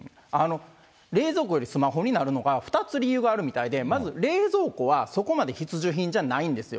冷蔵庫よりスマホになるのが、２つ理由があるみたいで、まず冷蔵庫はそこまで必需品じゃないんですよ。